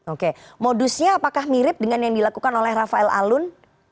oke modusnya apakah mirip dengan yang dilakukan oleh rafael alun